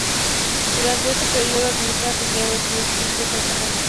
Durante ese periodo admitía afiliados no adscritos a esa formación.